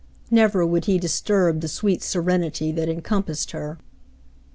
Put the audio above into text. Never would he disturb the sweet serenity that encompassed her.